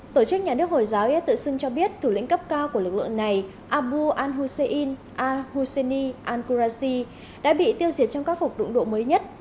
tổ chức nhà nước hồi giáo yết tự xưng cho biết thủ lĩnh cấp cao của lực lượng này abu al hussein al husseini al qurasi đã bị tiêu diệt trong các hộp đụng độ mới nhất